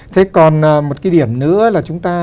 thế còn một cái điểm nữa là chúng ta